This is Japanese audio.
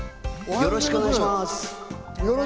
よろしくお願いします。